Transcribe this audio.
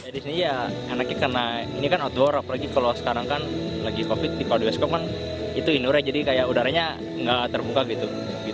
di sini ya enaknya karena ini kan outdoor apalagi kalau sekarang kan lagi covid kalau bioskop kan itu indoornya jadi kayak udaranya nggak terbuka gitu